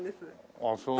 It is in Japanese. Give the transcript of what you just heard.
ああそう。